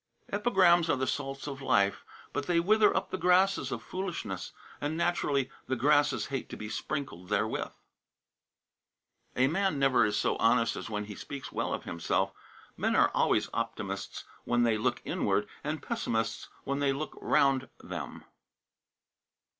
"Epigrams are the salts of life; but they wither up the grasses of foolishness, and naturally the grasses hate to be sprinkled therewith." "A man never is so honest as when he speaks well of himself. Men are always optimists when they look inward, and pessimists when they look round them."